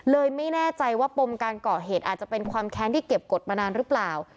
ไม่แน่ใจว่าปมการก่อเหตุอาจจะเป็นความแค้นที่เก็บกฎมานานหรือเปล่า